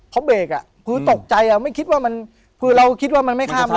เพราะเบรกอ่ะคือตกใจไม่คิดว่ามันคือเราคิดว่ามันไม่ข้ามแล้ว